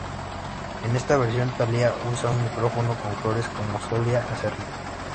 En esta versión Thalía usa un micrófono con flores como solía hacerlo.